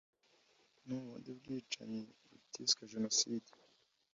no mu bundi bwicanyi butiswe jenoside.